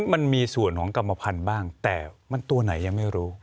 มันมีส่วนของกรรมพันธุ์บ้างแต่มันตัวไหนยังไม่รู้